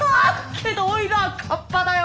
けどおいらは河童だよ。